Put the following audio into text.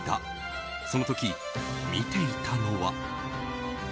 その時、見ていたのは。